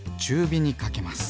火にかけます。